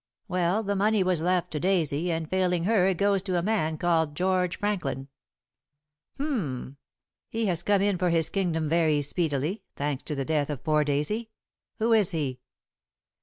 "Well, the money was left to Daisy, and failing her it goes to a man called George Franklin." "H'm! He has come in for his kingdom very speedily, thanks to the death of poor Daisy. Who is he?"